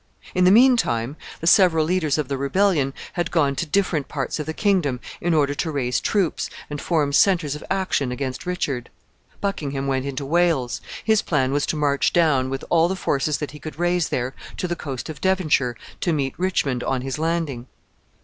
In the mean time, the several leaders of the rebellion had gone to different parts of the kingdom, in order to raise troops, and form centres of action against Richard. Buckingham went into Wales. His plan was to march down, with all the forces that he could raise there, to the coast of Devonshire, to meet Richmond on his landing.